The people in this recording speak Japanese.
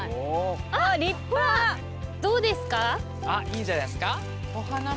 いいんじゃないですか？